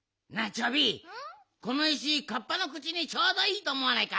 チョビこの石カッパのくちにちょうどいいとおもわないか？